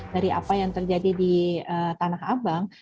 dari apa yang terjadi di tanah abang